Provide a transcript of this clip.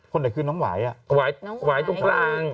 คนไหนคือน้องหวายอ่ะน้องหวายตรงกลาง